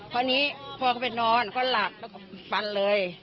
ก็ไปนอนก็หลับแล้วก็ฟันเลย